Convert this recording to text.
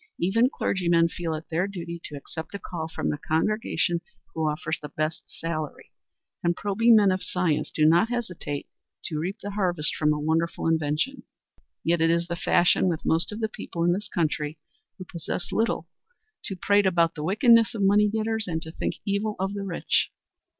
Even clergymen feel it their duty to accept a call from the congregation which offers the best salary, and probing men of science do not hesitate to reap the harvest from a wonderful invention. Yet it is the fashion with most of the people in this country who possess little to prate about the wickedness of money getters and to think evil of the rich.